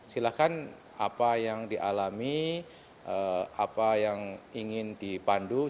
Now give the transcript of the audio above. silakan apa yang dialami apa yang ingin dipandang